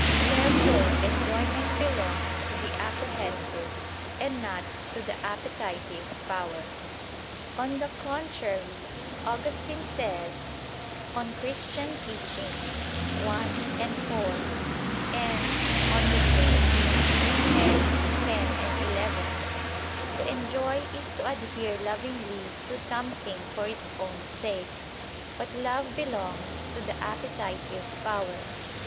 Therefore enjoyment belongs to the apprehensive, and not to the appetitive power. On the contrary, Augustine says (De Doctr. Christ. i, 4; and De Trin. x, 10, 11): "To enjoy is to adhere lovingly to something for its own sake." But love belongs to the appetitive power.